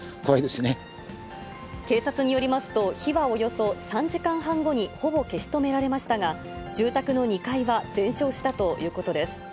警察によりますと、火はおよそ３時間半後にほぼ消し止められましたが、住宅の２階は全焼したということです。